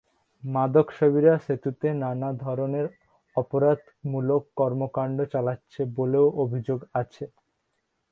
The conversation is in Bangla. মাদকসেবীরা সেতুতে নানা ধরনের অপরাধমূলক কর্মকাণ্ড চালাচ্ছে বলেও অভিযোগ আছে।